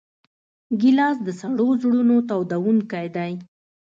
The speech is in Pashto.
ګیلاس د سړو زړونو تودوونکی دی.